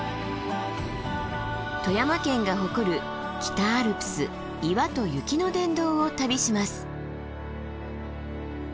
富山県が誇る北アルプス岩と雪の殿堂を旅します。